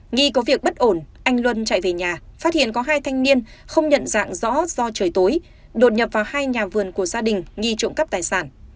nghi có việc bất ổn anh luân chạy về nhà phát hiện có hai thanh niên không nhận dạng rõ do trời tối đột nhập vào hai nhà vườn của gia đình nghi trộm cắp tài sản